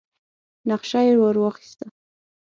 نخشه يې ور واخيسه.